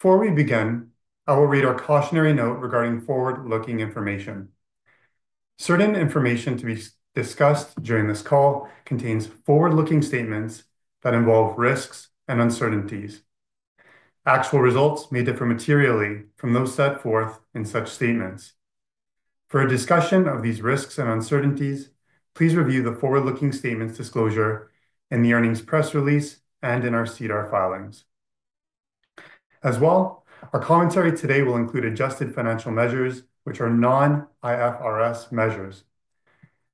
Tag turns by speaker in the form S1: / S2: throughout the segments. S1: Before we begin, I will read our cautionary note regarding forward-looking information. Certain information to be discussed during this call contains forward-looking statements that involve risks and uncertainties. Actual results may differ materially from those set forth in such statements. For a discussion of these risks and uncertainties, please review the forward-looking statements disclosure in the earnings press release and in our SEDAR filings. As well, our commentary today will include adjusted financial measures, which are non-IFRS measures.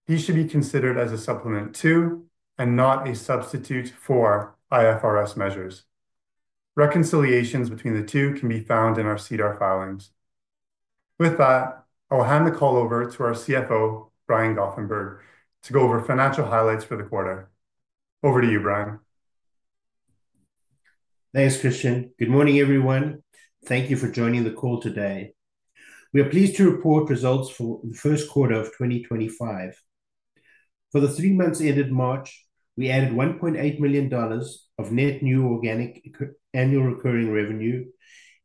S1: These should be considered as a supplement to and not a substitute for IFRS measures. Reconciliations between the two can be found in our SEDAR filings. With that, I will hand the call over to our CFO, Brian Goffenberg, to go over financial highlights for the quarter. Over to you, Brian.
S2: Thanks, Christian. Good morning, everyone. Thank you for joining the call today. We are pleased to report results for the first quarter of 2025. For the three months ended March, we added $1.8 million of net new organic annual recurring revenue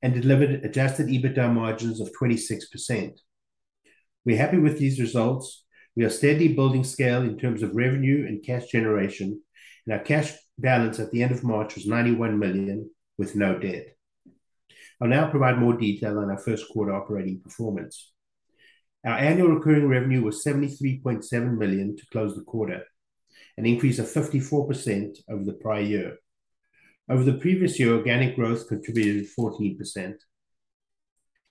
S2: and delivered adjusted EBITDA margins of 26%. We're happy with these results. We are steadily building scale in terms of revenue and cash generation, and our cash balance at the end of March was 91 million with no debt. I'll now provide more detail on our first quarter operating performance. Our annual recurring revenue was 73.7 million to close the quarter, an increase of 54% over the prior year. Over the previous year, organic growth contributed 14%. In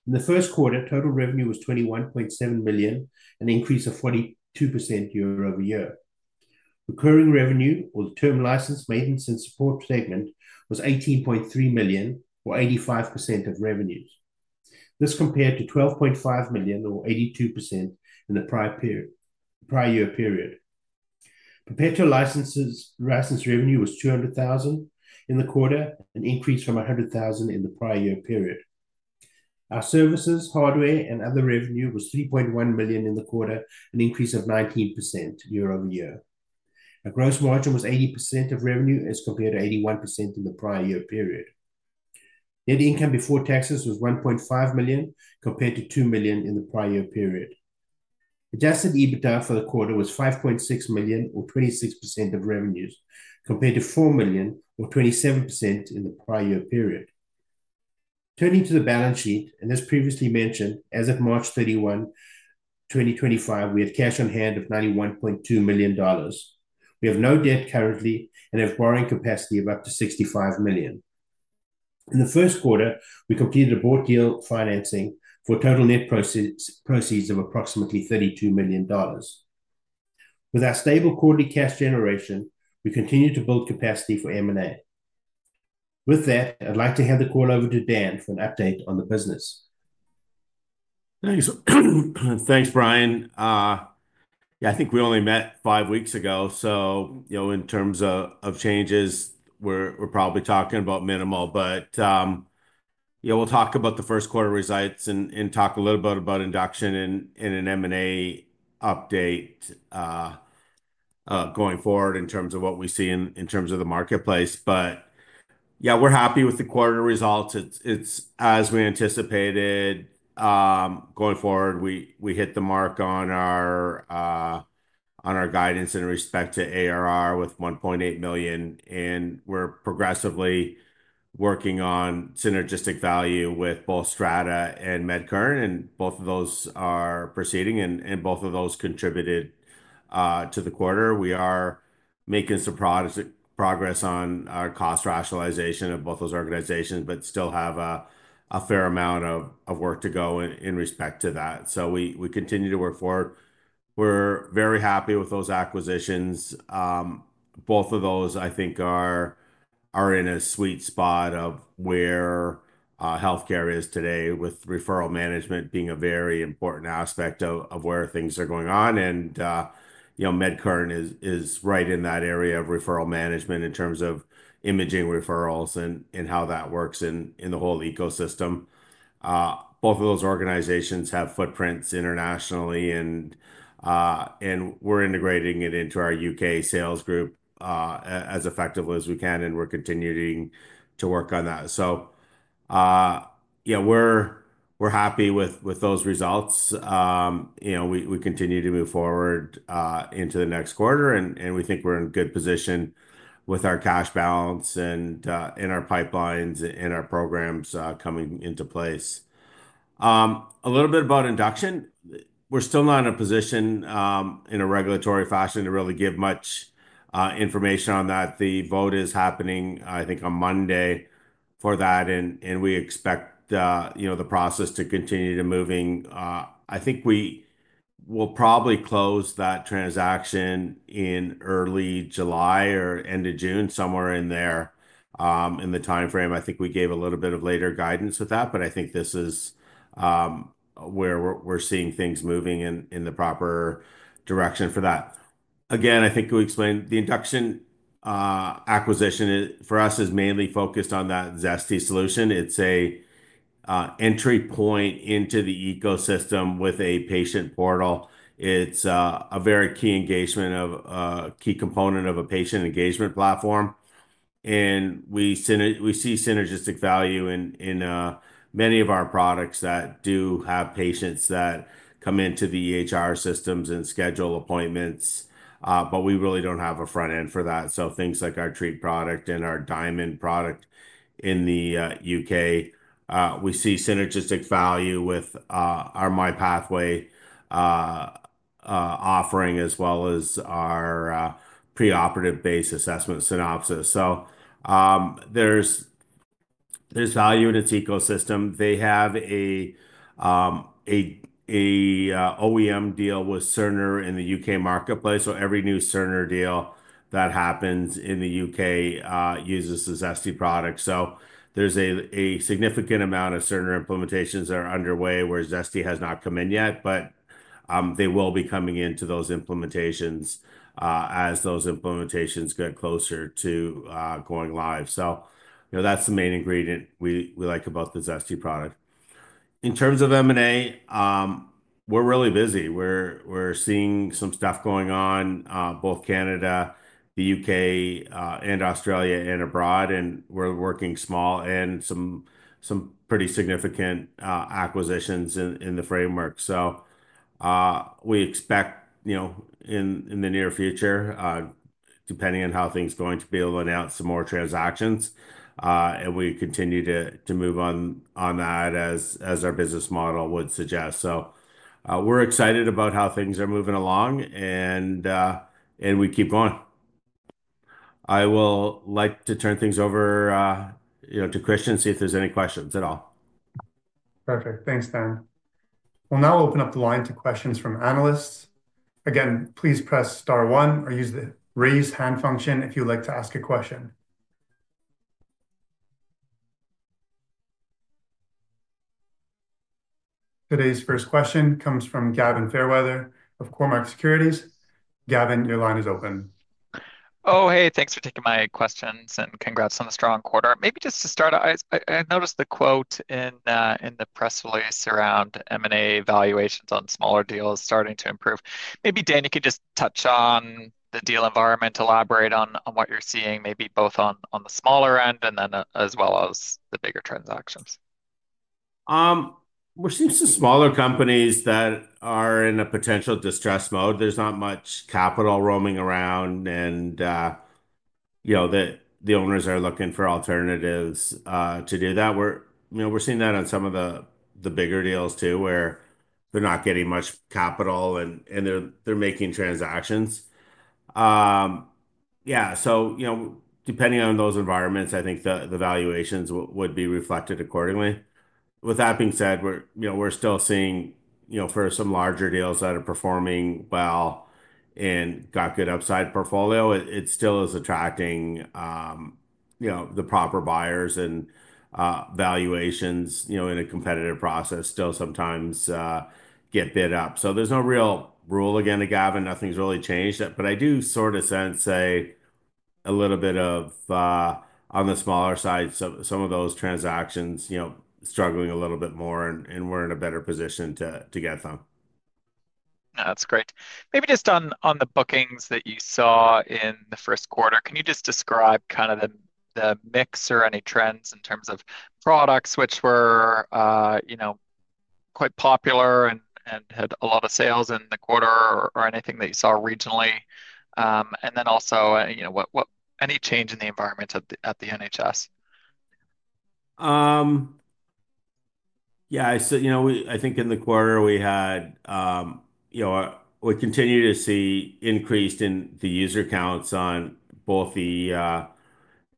S2: the first quarter, total revenue was 21.7 million, an increase of 42% year-over-year. Recurring revenue, or the term license, maintenance, and support segment, was 18.3 million, or 85% of revenues. This compared to 12.5 million, or 82%, in the prior year period. Perpetual license revenue was 200,000 in the quarter, an increase from 100,000 in the prior year period. Our services, hardware, and other revenue was 3.1 million in the quarter, an increase of 19% year-over-year. Our gross margin was 80% of revenue as compared to 81% in the prior year period. Net income before taxes was 1.5 million compared to 2 million in the prior year period. Adjusted EBITDA for the quarter was 5.6 million, or 26% of revenues, compared to 4 million, or 27% in the prior year period. Turning to the balance sheet, and as previously mentioned, as of March 31, 2025, we had cash on hand of 91.2 million dollars. We have no debt currently and have borrowing capacity of up to 65 million. In the first quarter, we completed a bought deal financing for a total net proceeds of approximately 32 million dollars. With our stable quarterly cash generation, we continue to build capacity for M&A. With that, I'd like to hand the call over to Dan for an update on the business.
S3: Thanks, Brian. Yeah, I think we only met five weeks ago, so in terms of changes, we're probably talking about minimal. Yeah, we'll talk about the first quarter results and talk a little bit about Induction and an M&A update going forward in terms of what we see in terms of the marketplace. Yeah, we're happy with the quarter results. It's as we anticipated. Going forward, we hit the mark on our guidance in respect to ARR with 1.8 million, and we're progressively working on synergistic value with both Strata and MedCurrent, and both of those are proceeding, and both of those contributed to the quarter. We are making some progress on our cost rationalization of both those organizations, but still have a fair amount of work to go in respect to that. We continue to work forward. We're very happy with those acquisitions. Both of those, I think, are in a sweet spot of where healthcare is today, with referral management being a very important aspect of where things are going on. And MedCurrent is right in that area of referral management in terms of imaging referrals and how that works in the whole ecosystem. Both of those organizations have footprints internationally, and we're integrating it into our U.K. sales group as effectively as we can, and we're continuing to work on that. Yeah, we're happy with those results. We continue to move forward into the next quarter, and we think we're in a good position with our cash balance and our pipelines and our programs coming into place. A little bit about Induction. We're still not in a position in a regulatory fashion to really give much information on that. The vote is happening, I think, on Monday for that, and we expect the process to continue to move. I think we will probably close that transaction in early July or end of June, somewhere in there, in the timeframe. I think we gave a little bit of later guidance with that, but I think this is where we're seeing things moving in the proper direction for that. Again, I think we explained the Induction acquisition for us is mainly focused on that Zesty Solution. It's an entry point into the ecosystem with a patient portal. It's a very key engagement, a key component of a patient engagement platform. We see synergistic value in many of our products that do have patients that come into the EHR systems and schedule appointments, but we really don't have a front end for that. Things like our Treat product and our Diamond product in the U.K., we see synergistic value with our MyPathway offering as well as our pre-operative-based assessment synopsis. There is value in its ecosystem. They have an OEM deal with Cerner in the U.K. marketplace, so every new Cerner deal that happens in the U.K. uses the Zesty product. There is a significant amount of Cerner implementations that are underway, where Zesty has not come in yet, but they will be coming into those implementations as those implementations get closer to going live. That is the main ingredient we like about the Zesty product. In terms of M&A, we are really busy. We are seeing some stuff going on, both Canada, the U.K., and Australia and abroad, and we are working small and some pretty significant acquisitions in the framework. We expect in the near future, depending on how things are going, to be able to announce some more transactions, and we continue to move on that as our business model would suggest. We are excited about how things are moving along, and we keep going. I would like to turn things over to Christian to see if there are any questions at all.
S1: Perfect. Thanks, Dan. We'll now open up the line to questions from analysts. Again, please press star one or use the raise hand function if you'd like to ask a question. Today's first question comes from Gavin Fairweather of Cormark Securities. Gavin, your line is open.
S4: Oh, hey, thanks for taking my questions and congrats on the strong quarter. Maybe just to start, I noticed the quote in the press release around M&A valuations on smaller deals starting to improve. Maybe Dan, you could just touch on the deal environment, elaborate on what you're seeing, maybe both on the smaller end and then as well as the bigger transactions.
S3: We're seeing some smaller companies that are in a potential distressed mode. There's not much capital roaming around, and the owners are looking for alternatives to do that. We're seeing that on some of the bigger deals too, where they're not getting much capital and they're making transactions. Yeah, depending on those environments, I think the valuations would be reflected accordingly. With that being said, we're still seeing for some larger deals that are performing well and got good upside portfolio, it still is attracting the proper buyers, and valuations in a competitive process still sometimes get bid up. There's no real rule again to Gavin. Nothing's really changed, but I do sort of sense a little bit of on the smaller side, some of those transactions struggling a little bit more, and we're in a better position to get them.
S4: That's great. Maybe just on the bookings that you saw in the first quarter, can you just describe kind of the mix or any trends in terms of products which were quite popular and had a lot of sales in the quarter or anything that you saw regionally? Also, any change in the environment at the NHS?
S3: Yeah, I think in the quarter we had, we continue to see an increase in the user counts on both the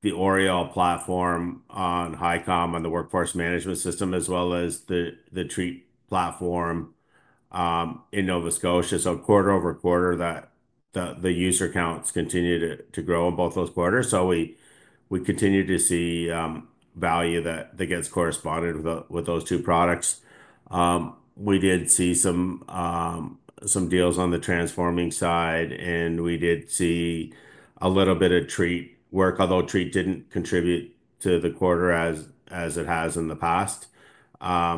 S3: ORIOL platform, on HiCom, on the workforce management system, as well as the Treat platform in Nova Scotia. Quarter over quarter, the user counts continue to grow in both those quarters. We continue to see value that gets corresponded with those two products. We did see some deals on the transforming side, and we did see a little bit of Treat work, although Treat did not contribute to the quarter as it has in the past. I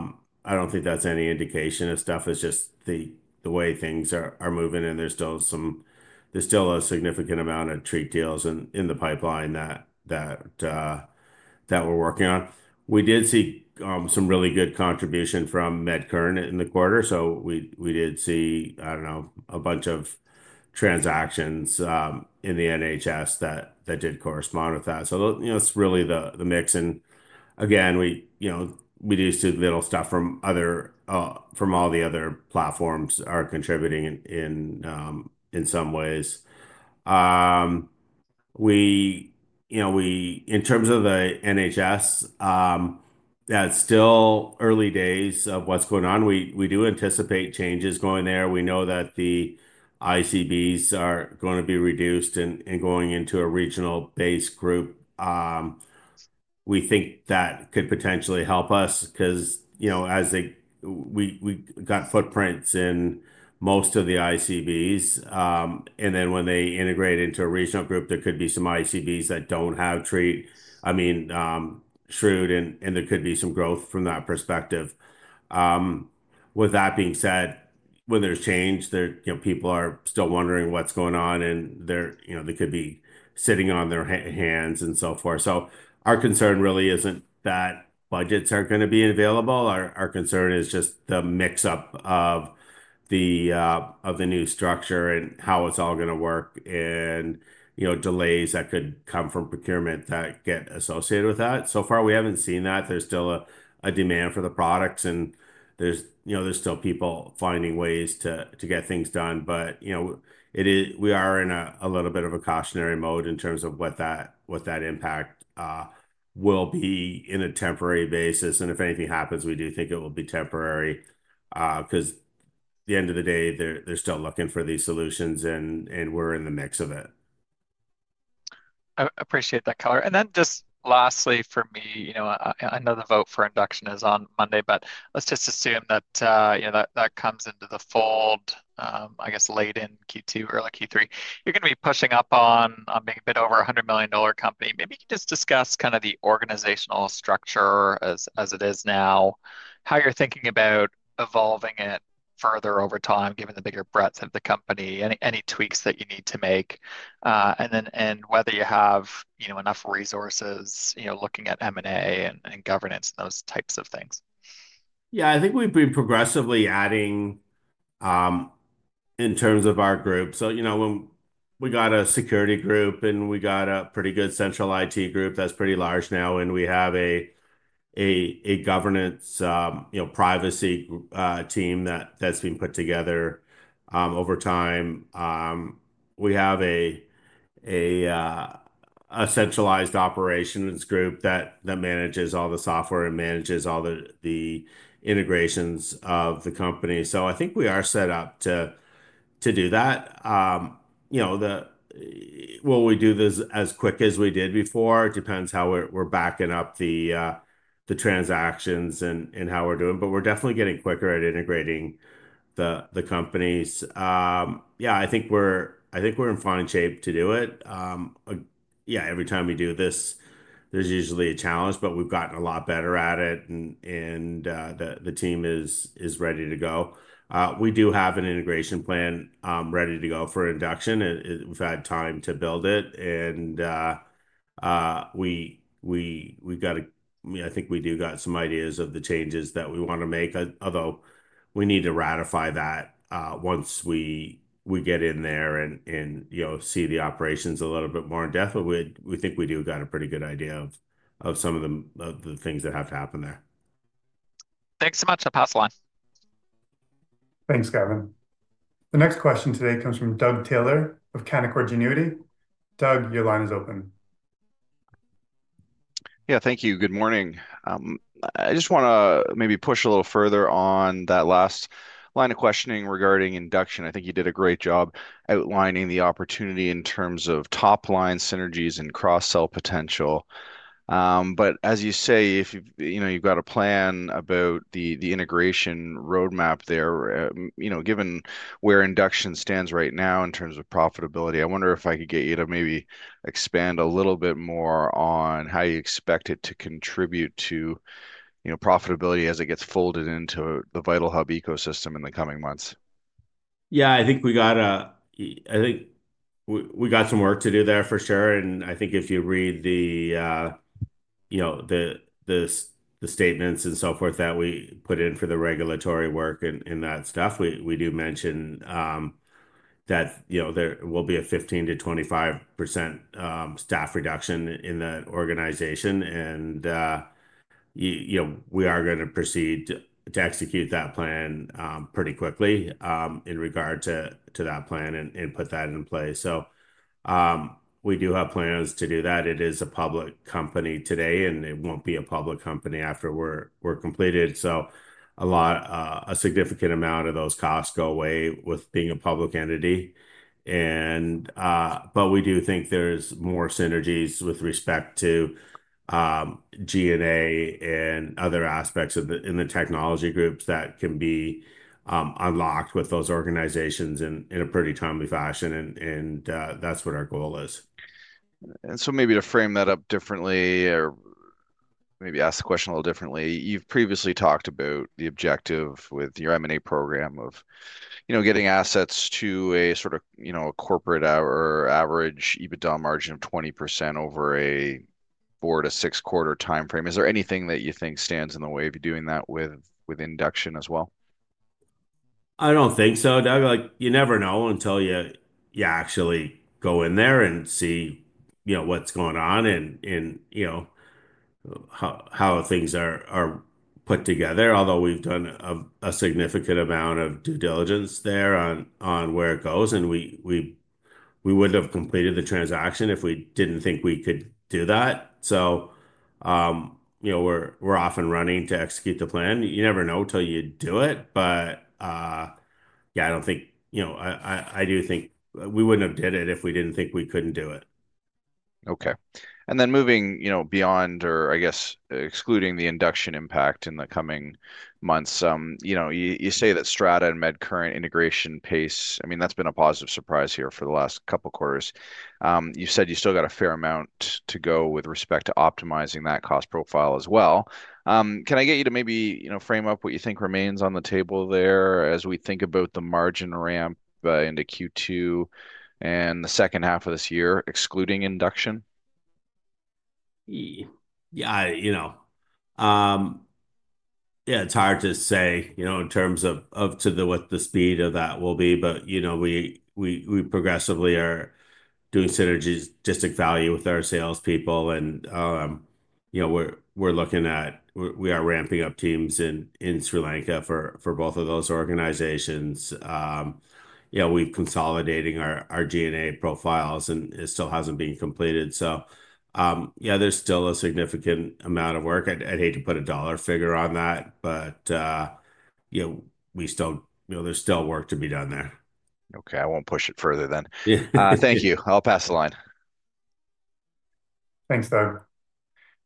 S3: do not think that is any indication of stuff. It is just the way things are moving, and there is still a significant amount of Treat deals in the pipeline that we are working on. We did see some really good contribution from MedCurrent in the quarter. We did see, I don't know, a bunch of transactions in the NHS that did correspond with that. It is really the mix. Again, we do see little stuff from all the other platforms are contributing in some ways. In terms of the NHS, that is still early days of what is going on. We do anticipate changes going there. We know that the ICBs are going to be reduced and going into a regional-based group. We think that could potentially help us because we got footprints in most of the ICBs. When they integrate into a regional group, there could be some ICBs that do not have Treat, I mean, Treat, and there could be some growth from that perspective. With that being said, when there is change, people are still wondering what is going on, and they could be sitting on their hands and so forth. Our concern really is not that budgets are not going to be available. Our concern is just the mix-up of the new structure and how it is all going to work and delays that could come from procurement that get associated with that. So far, we have not seen that. There is still a demand for the products, and there are still people finding ways to get things done. We are in a little bit of a cautionary mode in terms of what that impact will be on a temporary basis. If anything happens, we do think it will be temporary because at the end of the day, they are still looking for these solutions, and we are in the mix of it.
S4: I appreciate that color. Lastly for me, I know the vote for Induction is on Monday, but let's just assume that that comes into the fold, I guess, late in Q2, early Q3. You're going to be pushing up on being a bit over a 100 million dollar company. Maybe you can just discuss kind of the organizational structure as it is now, how you're thinking about evolving it further over time, given the bigger breadth of the company, any tweaks that you need to make, and whether you have enough resources looking at M&A and governance, those types of things.
S3: Yeah, I think we've been progressively adding in terms of our group. We got a security group, and we got a pretty good central IT group that's pretty large now, and we have a governance privacy team that's been put together over time. We have a centralized operations group that manages all the software and manages all the integrations of the company. I think we are set up to do that. Will we do this as quick as we did before? It depends how we're backing up the transactions and how we're doing, but we're definitely getting quicker at integrating the companies. I think we're in fine shape to do it. Every time we do this, there's usually a challenge, but we've gotten a lot better at it, and the team is ready to go. We do have an integration plan ready to go for Induction. We've had time to build it, and we got to I think we do got some ideas of the changes that we want to make, although we need to ratify that once we get in there and see the operations a little bit more in depth. We think we do got a pretty good idea of some of the things that have happened there.
S4: Thanks so much. I'll pass the line.
S1: Thanks, Gavin. The next question today comes from Doug Taylor of Canaccord Genuity. Doug, your line is open.
S5: Yeah, thank you. Good morning. I just want to maybe push a little further on that last line of questioning regarding Induction. I think you did a great job outlining the opportunity in terms of top-line synergies and cross-sell potential. As you say, you've got a plan about the integration roadmap there. Given where Induction stands right now in terms of profitability, I wonder if I could get you to maybe expand a little bit more on how you expect it to contribute to profitability as it gets folded into the VitalHub ecosystem in the coming months.
S3: Yeah, I think we got some work to do there for sure. I think if you read the statements and so forth that we put in for the regulatory work and that stuff, we do mention that there will be a 15%-25% staff reduction in the organization. We are going to proceed to execute that plan pretty quickly in regard to that plan and put that in place. We do have plans to do that. It is a public company today, and it will not be a public company after we are completed. A significant amount of those costs go away with being a public entity. We do think there are more synergies with respect to G&A and other aspects in the technology groups that can be unlocked with those organizations in a pretty timely fashion. That is what our goal is.
S5: Maybe to frame that up differently or maybe ask the question a little differently, you've previously talked about the objective with your M&A program of getting assets to a sort of corporate or average EBITDA margin of 20% over a four- to six-quarter time frame. Is there anything that you think stands in the way of you doing that with Induction as well?
S3: I don't think so. You never know until you actually go in there and see what's going on and how things are put together, although we've done a significant amount of due diligence there on where it goes. We wouldn't have completed the transaction if we didn't think we could do that. We're off and running to execute the plan. You never know until you do it. Yeah, I don't think—I do think we wouldn't have did it if we didn't think we couldn't do it.
S5: Okay. Moving beyond or, I guess, excluding the Induction impact in the coming months, you say that Strata and MedCurrent integration pace, I mean, that's been a positive surprise here for the last couple of quarters. You said you still got a fair amount to go with respect to optimizing that cost profile as well. Can I get you to maybe frame up what you think remains on the table there as we think about the margin ramp into Q2 and the second half of this year, excluding Induction?
S3: Yeah, it's hard to say in terms of what the speed of that will be, but we progressively are doing synergies just at value with our salespeople. We're looking at we are ramping up teams in Sri Lanka for both of those organizations. We're consolidating our G&A profiles, and it still hasn't been completed. Yeah, there's still a significant amount of work. I'd hate to put a dollar figure on that, but there's still work to be done there.
S5: Okay. I won't push it further then. Thank you. I'll pass the line.
S1: Thanks, Doug.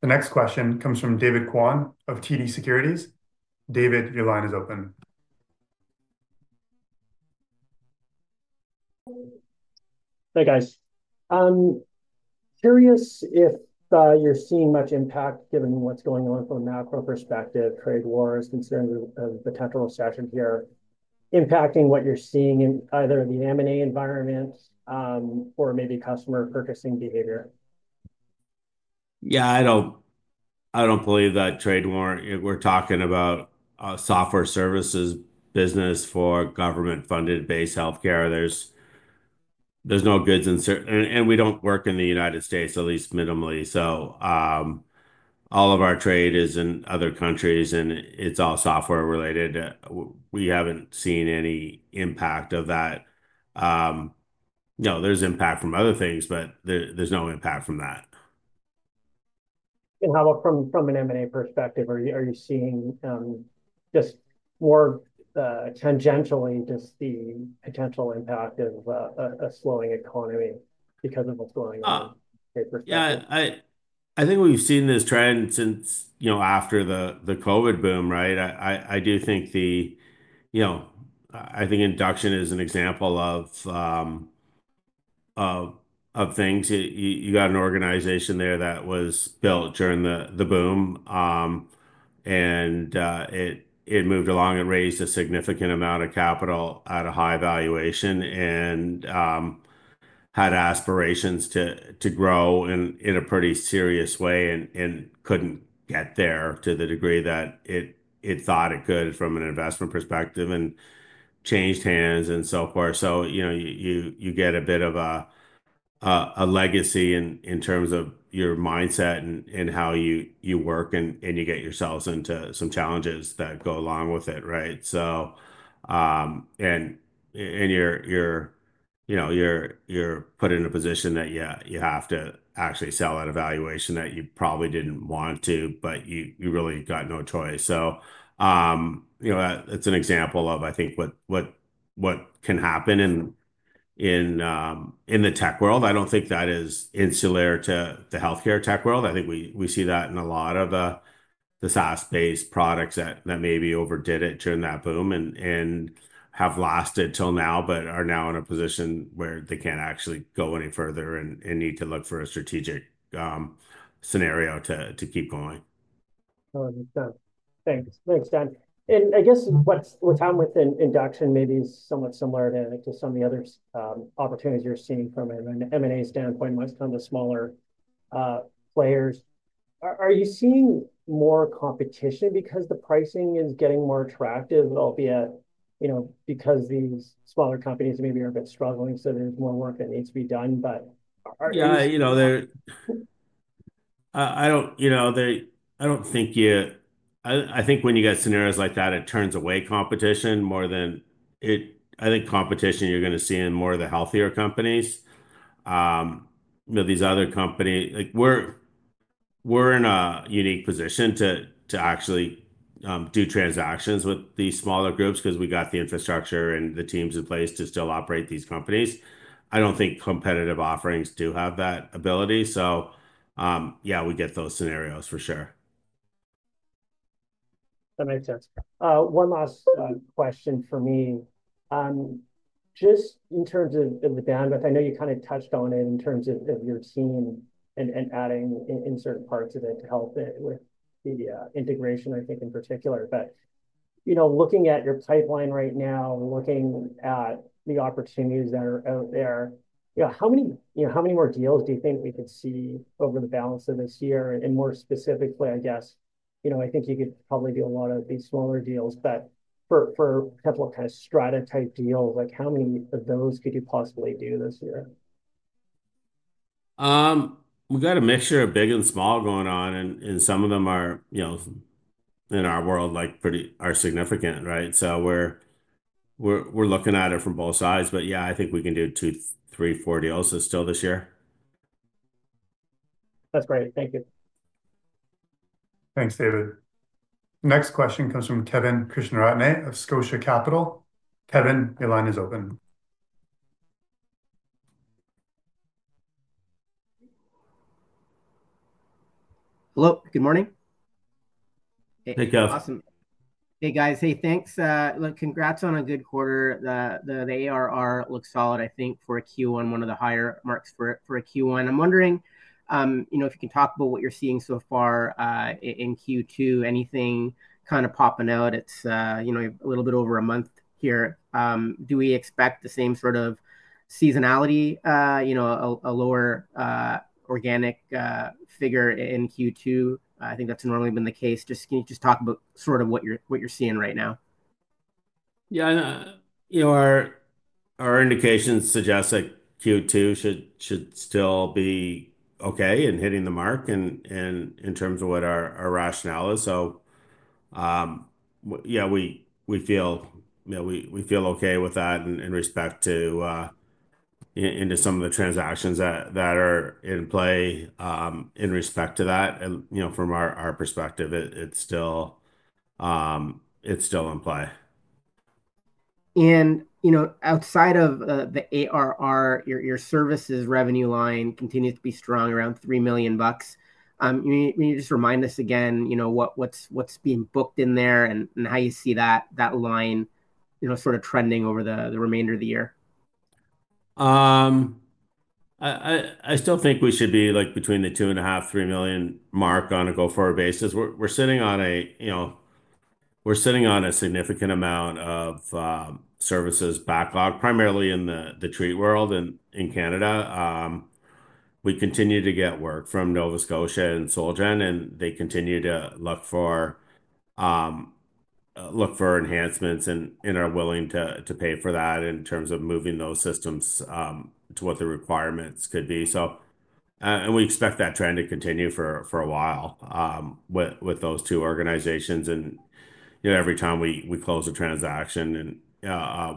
S1: The next question comes from David Kwon of TD Securities. David, your line is open.
S6: Hey, guys. Curious if you're seeing much impact given what's going on from a macro perspective, trade wars, considering the potential recession here, impacting what you're seeing in either the M&A environment or maybe customer purchasing behavior.
S3: Yeah, I don't believe that trade war. We're talking about a software services business for government-funded base healthcare. There's no goods in certain and we don't work in the United States, at least minimally. So all of our trade is in other countries, and it's all software-related. We haven't seen any impact of that. No, there's impact from other things, but there's no impact from that.
S6: How about from an M&A perspective? Are you seeing just more tangentially just the potential impact of a slowing economy because of a slowing economy perspective?
S3: Yeah, I think what we've seen is trend since after the COVID boom, right? I do think the I think Induction is an example of things. You got an organization there that was built during the boom, and it moved along and raised a significant amount of capital at a high valuation and had aspirations to grow in a pretty serious way and could not get there to the degree that it thought it could from an investment perspective and changed hands and so forth. You get a bit of a legacy in terms of your mindset and how you work, and you get yourselves into some challenges that go along with it, right? You are put in a position that you have to actually sell at a valuation that you probably did not want to, but you really got no choice. That's an example of, I think, what can happen in the tech world. I don't think that is insular to the healthcare tech world. I think we see that in a lot of the SaaS-based products that maybe overdid it during that boom and have lasted till now but are now in a position where they can't actually go any further and need to look for a strategic scenario to keep going.
S6: That makes sense. Thanks. Thanks, Dan. I guess what's happened with Induction maybe is somewhat similar to some of the other opportunities you're seeing from an M&A standpoint when it comes to smaller players. Are you seeing more competition because the pricing is getting more attractive, albeit because these smaller companies maybe are a bit struggling, so there's more work that needs to be done?
S3: Yeah, I don't think you, I think when you get scenarios like that, it turns away competition more than, I think, competition you're going to see in more of the healthier companies. These other companies, we're in a unique position to actually do transactions with these smaller groups because we got the infrastructure and the teams in place to still operate these companies. I don't think competitive offerings do have that ability. Yeah, we get those scenarios for sure.
S6: That makes sense. One last question for me. Just in terms of the bandwidth, I know you kind of touched on it in terms of your team and adding in certain parts of it to help with the integration, I think, in particular. Looking at your pipeline right now, looking at the opportunities that are out there, how many more deals do you think we could see over the balance of this year? More specifically, I guess, I think you could probably do a lot of these smaller deals, but for potential kind of Strata-type deals, how many of those could you possibly do this year?
S3: We've got a mixture of big and small going on, and some of them are in our world are significant, right? We are looking at it from both sides. Yeah, I think we can do two, three, four deals still this year.
S6: That's great. Thank you.
S1: Thanks, David. Next question comes from Kevin Krishnaratne of Scotia Capital. Kevin, your line is open.
S7: Hello. Good morning.
S3: Hey, Kev.
S7: Awesome. Hey, guys. Hey, thanks. Congrats on a good quarter. The ARR looks solid, I think, for Q1, one of the higher marks for Q1. I'm wondering if you can talk about what you're seeing so far in Q2, anything kind of popping out. It's a little bit over a month here. Do we expect the same sort of seasonality, a lower organic figure in Q2? I think that's normally been the case. Just can you just talk about sort of what you're seeing right now?
S3: Yeah. Our indications suggest that Q2 should still be okay and hitting the mark in terms of what our rationale is. Yeah, we feel okay with that in respect to some of the transactions that are in play in respect to that. From our perspective, it's still in play.
S7: Outside of the ARR, your services revenue line continues to be strong around 3 million bucks. Can you just remind us again what's being booked in there and how you see that line sort of trending over the remainder of the year?
S3: I still think we should be between the 2.5 million-3 million mark on a go-forward basis. We're sitting on a significant amount of services backlog, primarily in the Treat world in Canada. We continue to get work from Nova Scotia and Solgen, and they continue to look for enhancements and are willing to pay for that in terms of moving those systems to what the requirements could be. We expect that trend to continue for a while with those two organizations. Every time we close a transaction,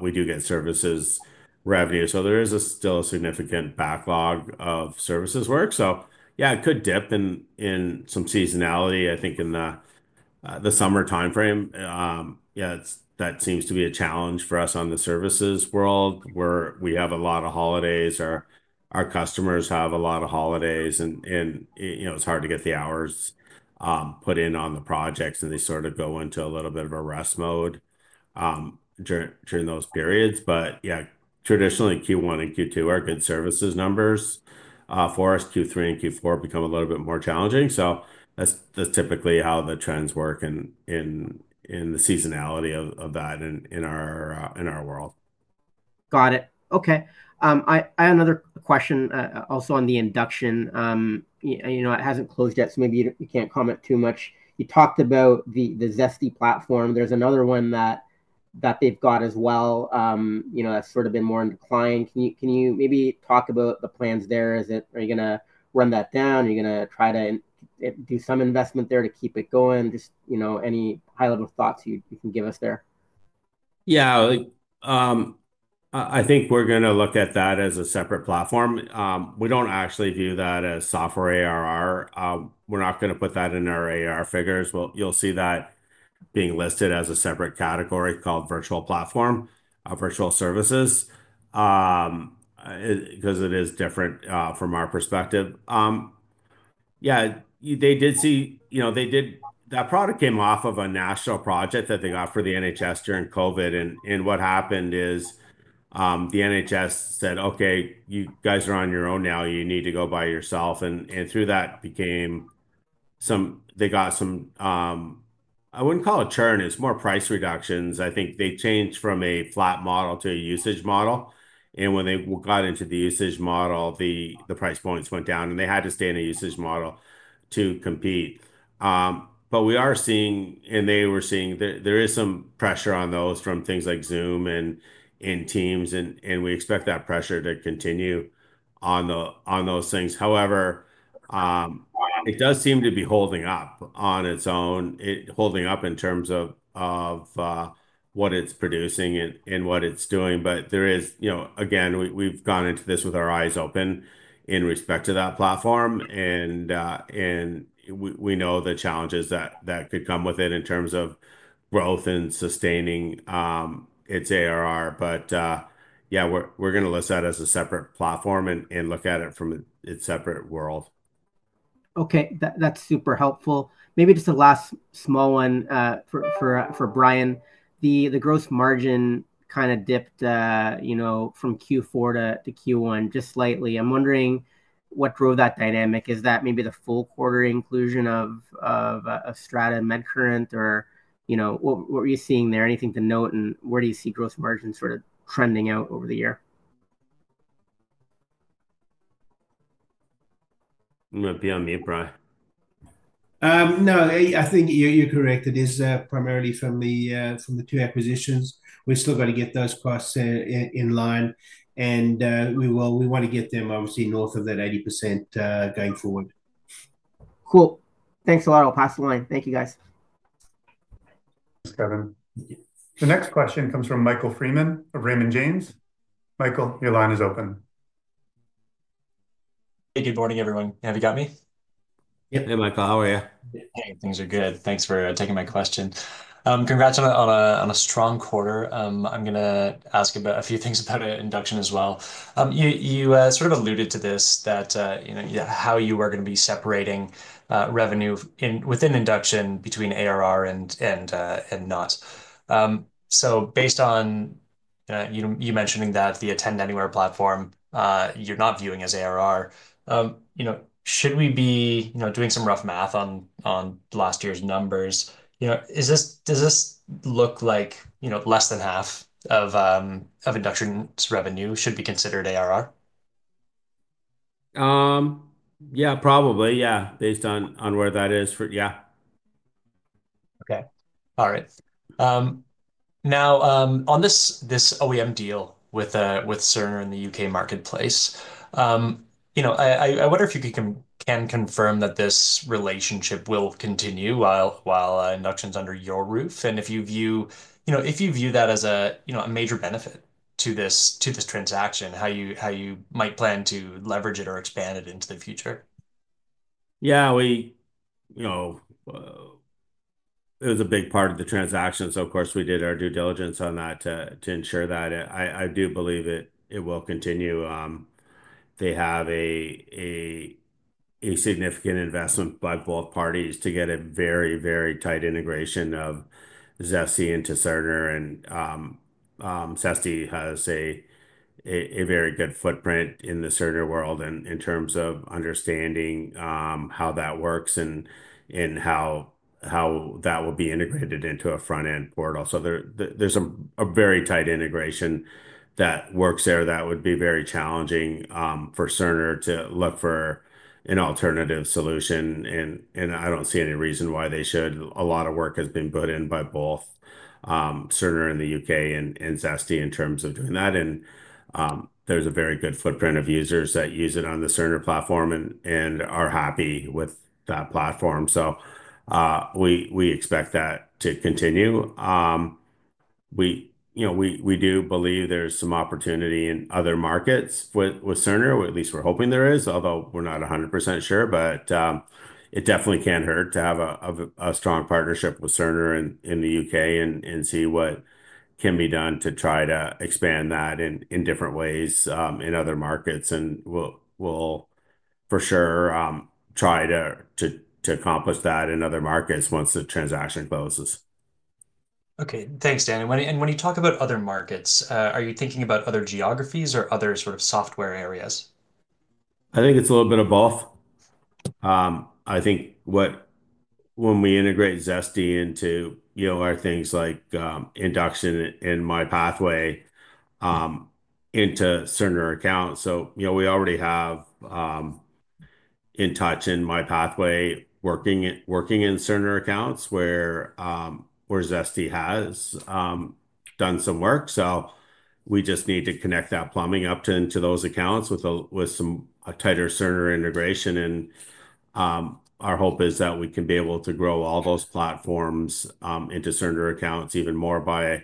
S3: we do get services revenue. There is still a significant backlog of services work. Yeah, it could dip in some seasonality, I think, in the summer timeframe. Yeah, that seems to be a challenge for us on the services world where we have a lot of holidays, or our customers have a lot of holidays, and it's hard to get the hours put in on the projects, and they sort of go into a little bit of a rest mode during those periods. Yeah, traditionally, Q1 and Q2 are good services numbers. For us, Q3 and Q4 become a little bit more challenging. That is typically how the trends work in the seasonality of that in our world.
S7: Got it. Okay. I have another question also on the Induction. It hasn't closed yet, so maybe you can't comment too much. You talked about the Zesty platform. There's another one that they've got as well that's sort of been more in decline. Can you maybe talk about the plans there? Are you going to run that down? Are you going to try to do some investment there to keep it going? Just any high-level thoughts you can give us there.
S3: Yeah. I think we're going to look at that as a separate platform. We don't actually view that as software ARR. We're not going to put that in our ARR figures. You'll see that being listed as a separate category called virtual platform, virtual services, because it is different from our perspective. Yeah, they did see that product came off of a national project that they got for the NHS during COVID. What happened is the NHS said, "Okay, you guys are on your own now. You need to go by yourself." Through that, they got some—I wouldn't call it churn. It's more price reductions. I think they changed from a flat model to a usage model. When they got into the usage model, the price points went down, and they had to stay in a usage model to compete. We are seeing—and they were seeing—there is some pressure on those from things like Zoom and Teams, and we expect that pressure to continue on those things. However, it does seem to be holding up on its own, holding up in terms of what it's producing and what it's doing. There is, again, we've gone into this with our eyes open in respect to that platform, and we know the challenges that could come with it in terms of growth and sustaining its ARR. Yeah, we're going to list that as a separate platform and look at it from its separate world.
S7: Okay. That's super helpful. Maybe just a last small one for Brian. The gross margin kind of dipped from Q4 to Q1 just slightly. I'm wondering what drove that dynamic. Is that maybe the full quarter inclusion of Strata and MedCurrent, or what were you seeing there? Anything to note? Where do you see gross margin sort of trending out over the year?
S3: Not beyond me. Brian.
S2: No, I think you're correct. It is primarily from the two acquisitions. We've still got to get those costs in line, and we want to get them, obviously, north of that 80% going forward.
S7: Cool. Thanks a lot. I'll pass the line. Thank you, guys.
S1: Thanks, Kevin. The next question comes from Michael Freeman of Raymond James. Michael, your line is open.
S8: Hey, good morning, everyone. Have you got me?
S3: Yep. Hey, Michael. How are you?
S8: Hey, things are good. Thanks for taking my question. Congrats on a strong quarter. I'm going to ask a few things about Induction as well. You sort of alluded to this, how you were going to be separating revenue within Induction between ARR and not. Based on you mentioning that the Attend Anywhere platform you're not viewing as ARR, should we be doing some rough math on last year's numbers? Does this look like less than half of Induction revenue should be considered ARR?
S3: Yeah, probably. Yeah, based on where that is for, yeah.
S8: Okay. All right. Now, on this OEM deal with Cerner in the U.K. marketplace, I wonder if you can confirm that this relationship will continue while Induction's under your roof. And if you view that as a major benefit to this transaction, how you might plan to leverage it or expand it into the future?
S3: Yeah. It was a big part of the transaction, so of course, we did our due diligence on that to ensure that. I do believe it will continue. They have a significant investment by both parties to get a very, very tight integration of Zesty into Cerner. And Zesty has a very good footprint in the Cerner world in terms of understanding how that works and how that will be integrated into a front-end portal. There is a very tight integration that works there that would be very challenging for Cerner to look for an alternative solution. I do not see any reason why they should. A lot of work has been put in by both Cerner in the U.K. and Zesty in terms of doing that. There is a very good footprint of users that use it on the Cerner platform and are happy with that platform. We expect that to continue. We do believe there's some opportunity in other markets with Cerner, or at least we're hoping there is, although we're not 100% sure. It definitely can hurt to have a strong partnership with Cerner in the U.K. and see what can be done to try to expand that in different ways in other markets. We'll for sure try to accomplish that in other markets once the transaction closes.
S8: Okay. Thanks, Dan. When you talk about other markets, are you thinking about other geographies or other sort of software areas?
S3: I think it's a little bit of both. I think when we integrate Zesty into our things like Induction and MyPathway into Cerner accounts. We already have InTouch and MyPathway working in Cerner accounts where Zesty has done some work. We just need to connect that plumbing up to those accounts with some tighter Cerner integration. Our hope is that we can be able to grow all those platforms into Cerner accounts even more by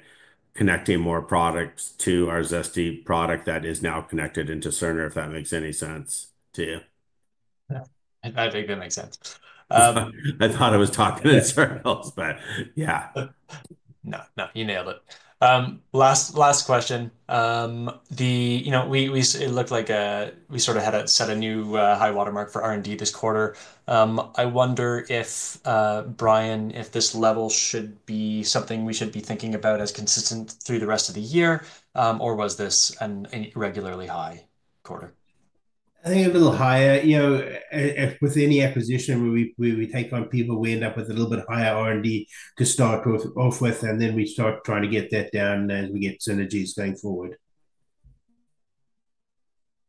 S3: connecting more products to our Zesty product that is now connected into Cerner, if that makes any sense to you.
S8: I think that makes sense.
S3: I thought I was talking to [salesperson], but yeah.
S8: No, no. You nailed it. Last question. It looked like we sort of had set a new high watermark for R&D this quarter. I wonder if, Brian, if this level should be something we should be thinking about as consistent through the rest of the year, or was this an irregularly high quarter?
S2: I think a little higher. With any acquisition, we take on people. We end up with a little bit higher R&D to start off with, and then we start trying to get that down as we get synergies going forward.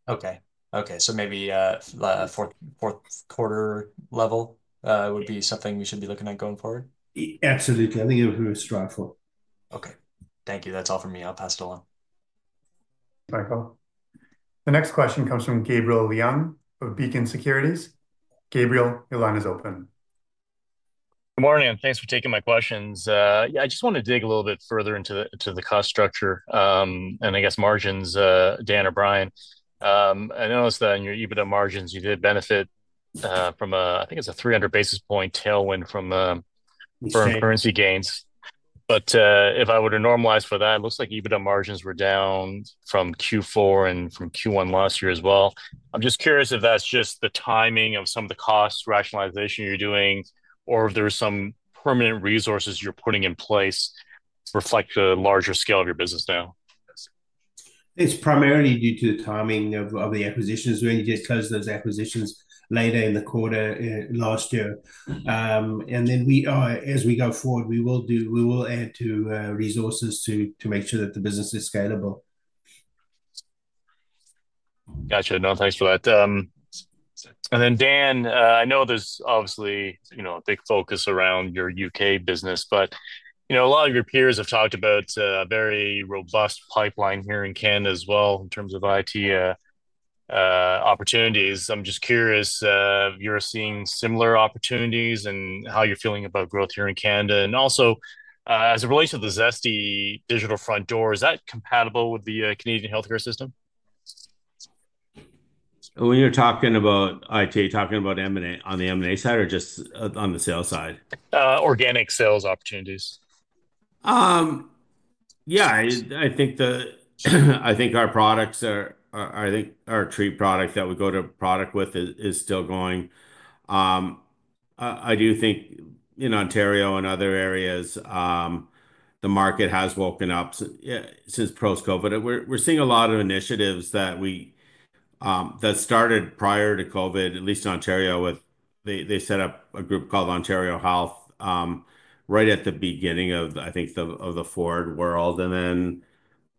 S8: Okay. Okay. So maybe a fourth-quarter level would be something we should be looking at going forward?
S2: Absolutely. I think it would be a strive for.
S8: Okay. Thank you. That's all for me. I'll pass it along.
S1: Michael. The next question comes from Gabriel Leung of Beacon Securities. Gabriel, your line is open.
S9: Good morning. Thanks for taking my questions. Yeah, I just want to dig a little bit further into the cost structure and, I guess, margins, Dan or Brian. I noticed that in your EBITDA margins, you did benefit from a, I think it's a 300 basis point tailwind from foreign currency gains. But if I were to normalize for that, it looks like EBITDA margins were down from Q4 and from Q1 last year as well. I'm just curious if that's just the timing of some of the cost rationalization you're doing, or if there are some permanent resources you're putting in place to reflect the larger scale of your business now.
S2: It's primarily due to the timing of the acquisitions. We only did close those acquisitions later in the quarter last year. As we go forward, we will add to resources to make sure that the business is scalable.
S9: Gotcha. No, thanks for that. Dan, I know there's obviously a big focus around your U.K. business, but a lot of your peers have talked about a very robust pipeline here in Canada as well in terms of IT opportunities. I'm just curious, you're seeing similar opportunities and how you're feeling about growth here in Canada? Also, as it relates to the Zesty digital front door, is that compatible with the Canadian healthcare system?
S3: When you're talking about IT, talking about on the M&A side or just on the sales side?
S9: Organic sales opportunities.
S3: Yeah. I think our products, I think our Treat product that we go-to product with is still going. I do think in Ontario and other areas, the market has woken up since post-COVID. We're seeing a lot of initiatives that started prior to COVID, at least in Ontario, where they set up a group called Ontario Health right at the beginning of, I think, the Ford world.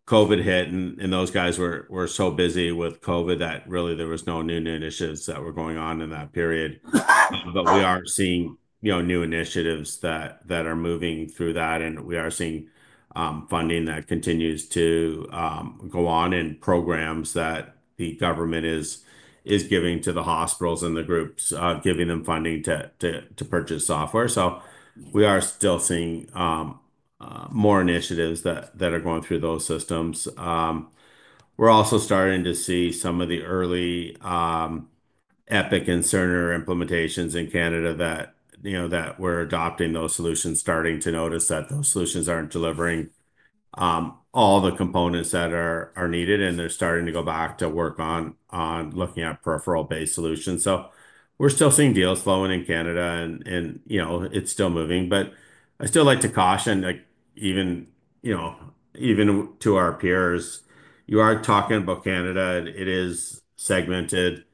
S3: COVID hit, and those guys were so busy with COVID that really there were no new initiatives that were going on in that period. We are seeing new initiatives that are moving through that, and we are seeing funding that continues to go on and programs that the government is giving to the hospitals and the groups, giving them funding to purchase software. We are still seeing more initiatives that are going through those systems. We're also starting to see some of the early Epic and Cerner implementations in Canada that were adopting those solutions, starting to notice that those solutions aren't delivering all the components that are needed, and they're starting to go back to work on looking at peripheral-based solutions. We're still seeing deals flowing in Canada, and it's still moving. I still like to caution, even to our peers, you are talking about Canada. It is segmented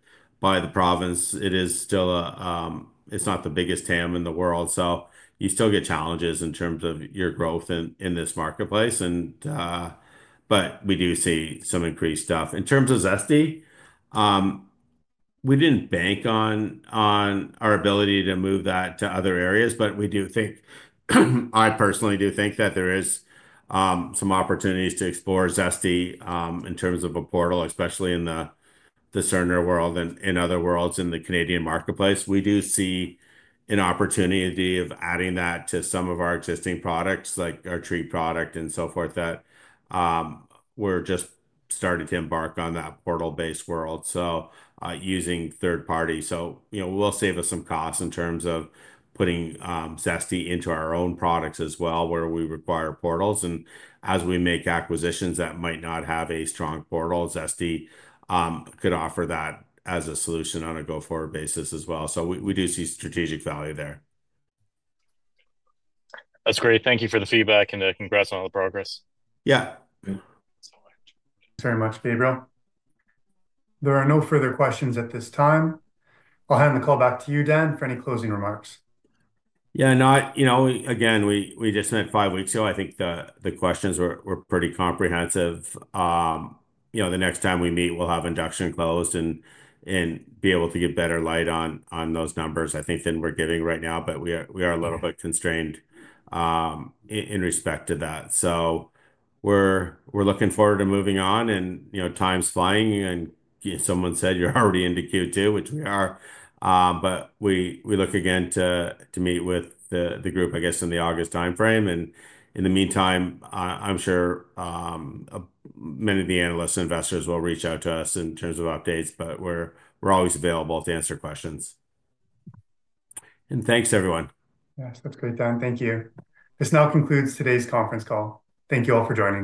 S3: by the province. It is still a—it's not the biggest ham in the world. You still get challenges in terms of your growth in this marketplace. We do see some increased stuff. In terms of Zesty, we didn't bank on our ability to move that to other areas, but we do think—I personally do think that there are some opportunities to explore Zesty in terms of a portal, especially in the Cerner world and other worlds in the Canadian marketplace. We do see an opportunity of adding that to some of our existing products, like our Treat product and so forth, that we're just starting to embark on that portal-based world. Using third-party, it will save us some costs in terms of putting Zesty into our own products as well, where we require portals. As we make acquisitions that might not have a strong portal, Zesty could offer that as a solution on a go-forward basis as well. We do see strategic value there.
S9: That's great. Thank you for the feedback, and congrats on all the progress.
S3: Yeah.
S1: Thanks very much, Gabriel. There are no further questions at this time. I'll hand the call back to you, Dan, for any closing remarks.
S3: Yeah. Again, we just met five weeks ago. I think the questions were pretty comprehensive. The next time we meet, we'll have Induction closed and be able to get better light on those numbers, I think, than we're giving right now. We are a little bit constrained in respect to that. We are looking forward to moving on, and time's flying. Someone said you're already into Q2, which we are. We look again to meet with the group, I guess, in the August timeframe. In the meantime, I'm sure many of the analysts and investors will reach out to us in terms of updates, but we're always available to answer questions. Thanks, everyone.
S1: Yes. That's great, Dan. Thank you. This now concludes today's conference call. Thank you all for joining.